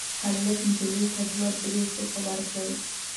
هلک نجلۍ ته دوه درې سوکه ورکړل.